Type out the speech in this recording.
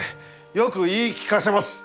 よく言い聞かせます！